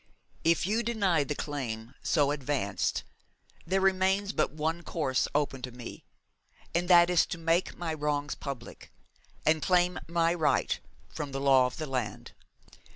If you deny the claim so advanced, there remains but one course open to me, and that is to make my wrongs public, and claim my right from the law of the land.'